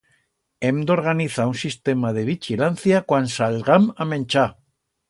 Hem d'organizar un sistema de vichilancia cuan sallgam a menchar.